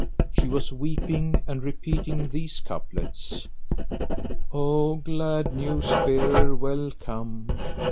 she was weeping and repeating these couplets, "O glad news bearer well come!